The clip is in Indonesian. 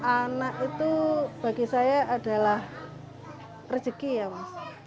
anak itu bagi saya adalah rezeki ya mas